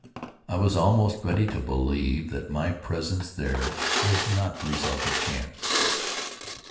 I was almost ready to believe that my presence there was not the result of chance.